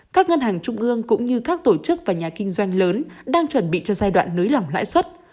các ngân hàng trung ương cũng như các tổ chức và nhà kinh doanh lớn đang chuẩn bị cho giai đoạn nới lỏng lãi suất